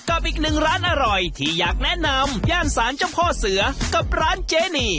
กับอีกหนึ่งร้านอร่อยที่อยากแนะนำย่านศาลเจ้าพ่อเสือกับร้านเจนี